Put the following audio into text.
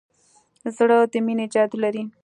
زړه د مینې جادو لري.